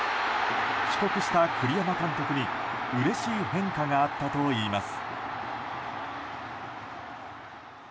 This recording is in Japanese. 帰国した栗山監督にうれしい変化があったといいます。